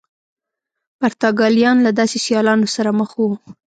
پرتګالیان له داسې سیالانو سره مخ وو.